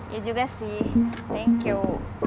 ya juga sih thank you